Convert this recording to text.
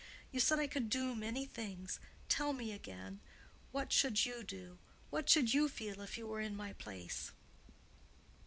You said I could do many things. Tell me again. What should you do—what should you feel if you were in my place?"